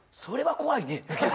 それは怖いね